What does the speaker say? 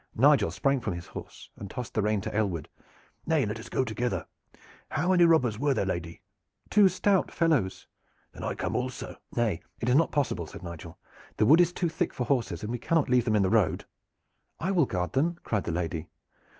Nigel sprang from his horse and tossed the rein to Aylward. "Nay, let us go together. How many robbers were there, lady?" "Two stout fellows." "Then I come also." "Nay, it is not possible," said Nigel. "The wood is too thick for horses, and we cannot leave them in the road." "I will guard them," cried the lady.